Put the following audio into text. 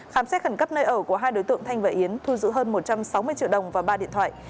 khám xét khẩn cấp nơi ở của hai đối tượng thanh và yến thu giữ hơn một trăm sáu mươi triệu đồng và ba điện thoại